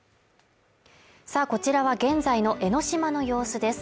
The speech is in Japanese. こちらは現在の江の島の様子です